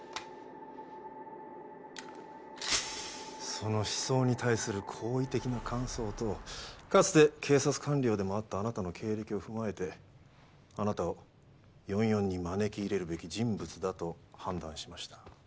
その思想に対する好意的な感想とかつて警察官僚でもあったあなたの経歴を踏まえてあなたを４４に招き入れるべき人物だと判断しました。